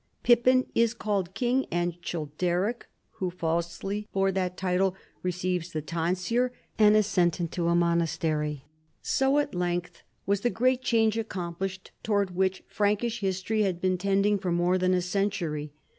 Pippin is called king, and Childeric who falsely bore that PIPPIN, KING OF THE FRANKS. 73 title receives the tonsure and is sent into a mon astery." So at length was the great change accomplished towards which Frankish history had been tending for more than a century.